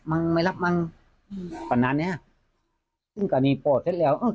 มังมันลับมังตอนนั้นนะฮะซึ่งการีพวกเสร็จแล้วเอาไง